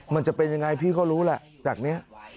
มันจะเป็นยังไงพี่ก็รู้แหละจากนี้